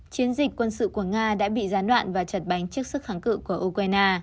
chiến dịch quân sự của nga đã bị gián đoạn và chật bánh trước sức kháng cự của ukraine